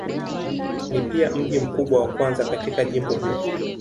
Ni pia mji mkubwa wa kwanza katika jimbo huu.